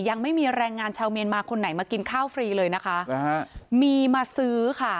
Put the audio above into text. ยังไม่มีแรงงานชาวเมียนมาคนไหนมากินข้าวฟรีเลยนะคะหรือฮะมีมาซื้อค่ะ